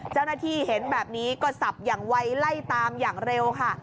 เจ้าหน้าที่เห็นแบบนี้ก็สับอย่างไวไล่ตามอย่างเร็วค่ะ